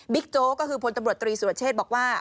โจ๊กก็คือพลตำรวจตรีสุรเชษบอกว่า